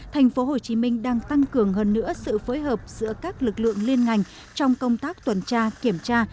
tp hcm đang tăng cường hơn nữa sự phối hợp giữa các lực lượng liên ngành trong công tác tuần tra kiểm tra